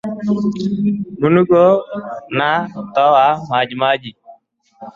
Mnuko na kutoa majimaji